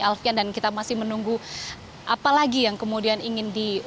alfian dan kita masih menunggu apa lagi yang kemudian ingin dibelajari